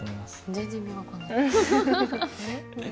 全然意味分かんない。